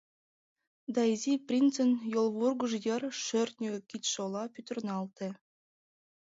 Да Изи принцын йолвургыж йыр шӧртньӧ кидшолла пӱтырналте.